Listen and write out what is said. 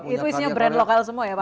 itu isinya brand lokal semua ya pak